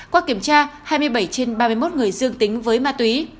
qua kiểm tra hai mươi bảy trên ba mươi một người dương tính với ma túy